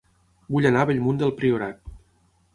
Vull anar a Bellmunt del Priorat